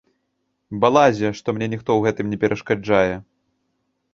Балазе, што мне ніхто ў гэтым не перашкаджае.